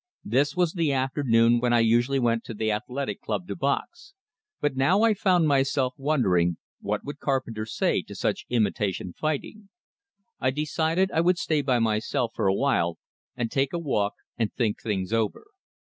This was the afternoon when I usually went to the Athletic Club to box; but now I found myself wondering, what would Carpenter say to such imitation fighting? I decided I would stay by myself for a while, and take a walk and think things over.